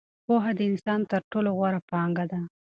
پوهه د انسان تر ټولو غوره پانګه ده.